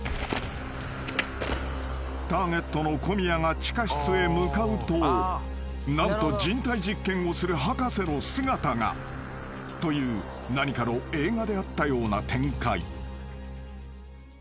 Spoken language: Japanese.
［ターゲットの小宮が地下室へ向かうと何と人体実験をする博士の姿がという何かの映画であったような展開］